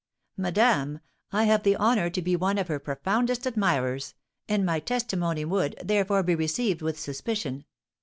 "Madame, I have the honour to be one of her profoundest admirers, and my testimony would, therefore, be received with suspicion.